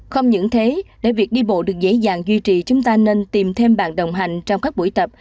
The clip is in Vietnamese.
không những thế để việc đi bộ được dễ dàng duy trì chúng ta nên tìm thêm bạn đồng hành trong các buổi tập